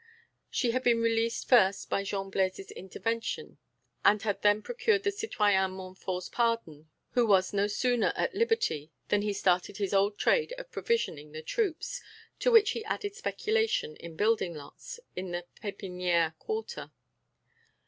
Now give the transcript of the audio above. She had been released first, by Jean Blaise's intervention, and had then procured the citoyen Montfort's pardon, who was no sooner at liberty than he started his old trade of provisioning the troops, to which he added speculation in building lots in the Pépinière quarter.